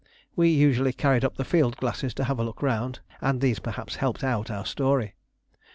We usually carried up the field glasses to have a look round, and these perhaps helped out our story.